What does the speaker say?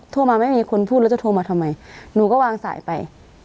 โทรมาไม่มีคนพูดแล้วจะโทรมาทำไมหนูก็วางสายไป